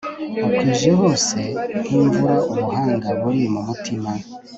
wakwije hose nk'imvura ubuhanga bumuri mu mutima